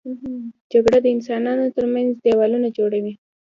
جګړه د انسانانو تر منځ دیوالونه جوړوي